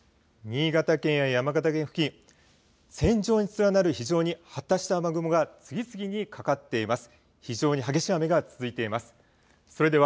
新潟県や山形県付近、線状に連なる非常に発達した雨雲が次々にかかっています。